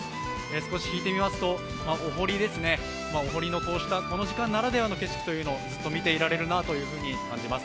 少し引いてみますと、お堀のこの時間ならではの景色をずっと見ていられるなと感じます。